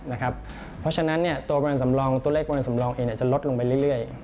เพราะฉะนั้นตัวประมาณสำรองตัวเลขประมาณสำรองเองจะลดลงไปเรื่อย